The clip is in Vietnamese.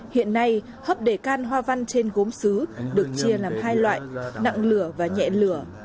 hiện nay khắp đề can hoa văn trên gốm xứ được chia làm hai loại nặng lửa và nhẹ lửa